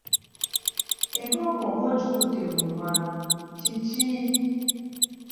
Enkoko ng'ogikutte mumwa! Kiki?